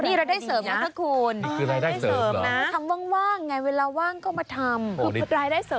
นี่รายได้เสริมนะครับคุณอ๋อรายได้เสริมนะอ๋อทำว่างว่างไงเวลาว่างก็มาทำ